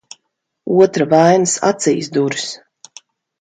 Otra vainas acīs duras.